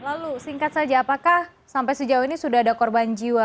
lalu singkat saja apakah sampai sejauh ini sudah ada korban jiwa